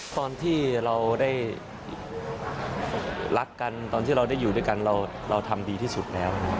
ตอนที่เราได้รักกันตอนที่เราได้อยู่ด้วยกันเราทำดีที่สุดแล้ว